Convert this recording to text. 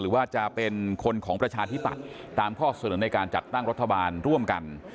ว่าจะเป็นคนของประชาธิปัตย์ตามข้อเสนอในการจัดตั้งรัฐบาลร่วมกัน